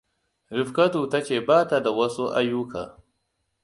Rifkatuam ta ce ba ta da wasu ayyuka.